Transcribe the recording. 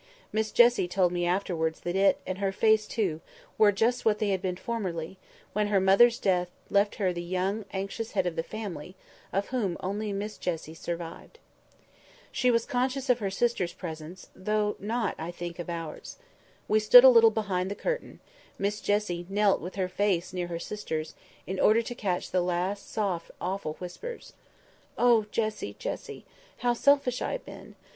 Miss Jessie told me afterwards that it, and her face too, were just what they had been formerly, when her mother's death left her the young anxious head of the family, of whom only Miss Jessie survived. She was conscious of her sister's presence, though not, I think, of ours. We stood a little behind the curtain: Miss Jessie knelt with her face near her sister's, in order to catch the last soft awful whispers. "Oh, Jessie! Jessie! How selfish I have been!